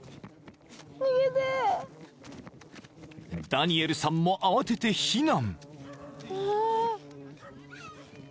［ダニエルさんも慌てて避難］